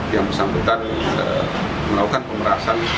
yang bersangkutan melakukan pemerasan